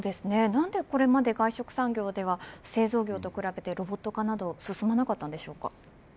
何でこれまで外食産業では製造業と比べてロボット化などが進まなかったんでしょうか。